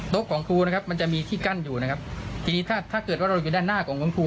โต๊ะของครูมันจะมีที่กั้นอยู่ถ้าเกิดว่าเราอยู่ด้านหน้าของครู